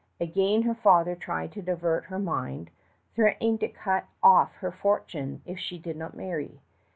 Again her father tried to divert her mind, threatening to cut off her fortune if she did not marry.